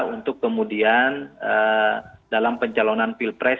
untuk kemudian dalam pencalonan pilpres